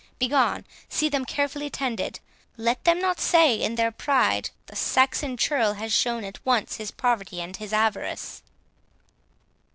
Begone! see them carefully tended; let them not say in their pride, the Saxon churl has shown at once his poverty and his avarice."